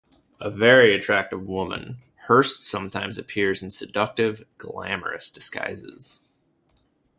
A very attractive woman, Hurst sometimes appears in seductive, glamorous disguises.